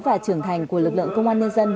và trưởng thành của lực lượng công an nhân dân